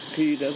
khi đã rượu bia